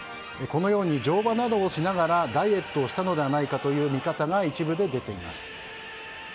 このように乗馬などをしながらダイエットをしたのではないかという見方が一部で出ています。